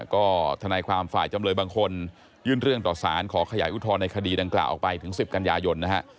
ก็ทนายความฝ่ายจำเลยบางคนยื่นเรื่องต่อสารขอขยายอุทธรณ์ในคดีดังกล่าวออกไปถึง๑๐กันยายนนะฮะ